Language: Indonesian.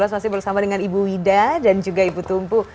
masih bersama dengan ibu wida dan juga ibu tumpu